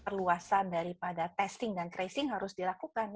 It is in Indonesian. kemuatan atau perluasan dari testing dan tracing harus dilakukan